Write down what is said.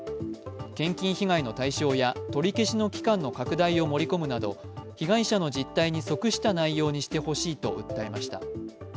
献金被害の対象や、取り消しの期間の拡大を盛り込むなど被害者の実態に即した内容にしてほしいと訴えました。